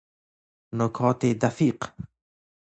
نکات دفیق